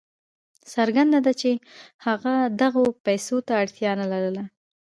څرګنده ده چې هغه دغو پیسو ته اړتیا نه لرله.